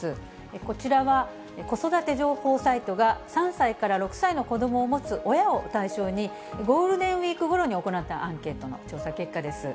こちらは、子育て情報サイトが３歳から６歳の子どもを持つ親を対象に、ゴールデンウィークごろに行ったアンケートの調査結果です。